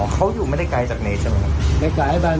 อ๋อเค้าอยู่ไม่ได้ไกลจากนี้ใช่มั้ย